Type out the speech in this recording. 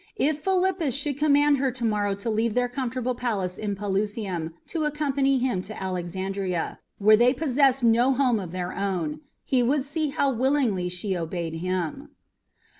If Philippus should command her to morrow to leave their comfortable palace in Pelusium to accompany him to Alexandria, where they possessed no home of their own, he would see how willingly she obeyed him.